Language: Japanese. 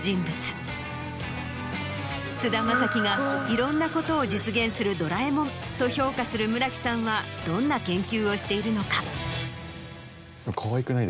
菅田将暉が「いろんなことを実現するドラえもん」と評価する村木さんはどんな研究をしているのか？